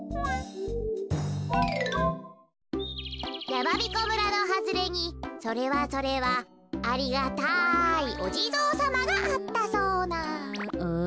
やまびこ村のはずれにそれはそれはありがたいおじぞうさまがあったそうなうん？